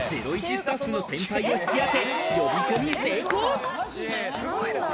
スタッフの先輩を引き当て、呼び込み成功。